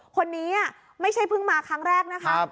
คนนี้ไม่ใช่เพิ่งมาครั้งแรกนะคะ